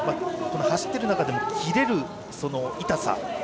走っている中でも切れる痛さ。